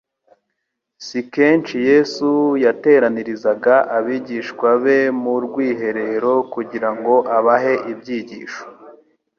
Si kenshi Yesu yateranirizaga abigishwa be mu rwiherero kugira ngo abahe ibyigisho.